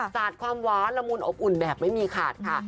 สาดความหวานละมุนอบอุ่นแบบไม่มีขาดค่ะ